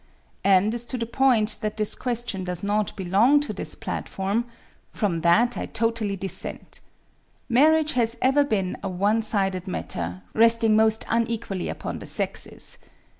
And as to the point that this question does not belong to this platform from that I totally dissent. Marriage has ever been a one sided matter, resting most unequally upon the sexes.